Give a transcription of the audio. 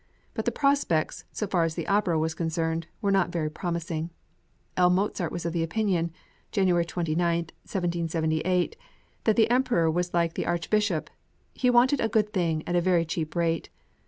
But the prospects, so far as the opera was concerned, were not very promising. L. Mozart was of opinion (January 29, 1778) {MANNHEIM.} (406) that the Emperor was like the Archbishop "he wanted a good thing at a very cheap rate."